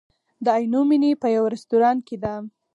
د عینومېنې په یوه رستورانت کې ده.